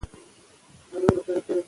د ټولنیزو قوانینو ماتول د کینې پایله ده.